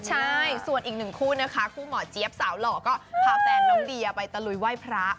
ใช่ส่วนอีกหนึ่งคู่นะคะคู่หมอเจี๊ยบสาวหล่อก็พาแฟนน้องเดียไปตะลุยไหว้พระ